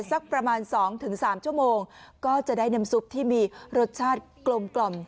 สักประมาณสองถึงสามชั่วโมงก็จะได้น้ำซุปที่มีรสชาติกลมกล่อม